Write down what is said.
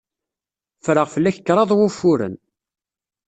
Ffreɣ fell-ak kraḍ wufuren.